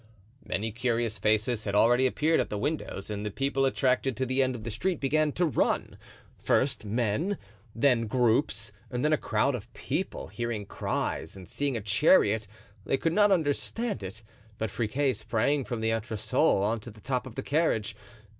Many curious faces had already appeared at the windows and the people attracted to the end of the street began to run, first men, then groups, and then a crowd of people; hearing cries and seeing a chariot they could not understand it; but Friquet sprang from the entresol on to the top of the carriage.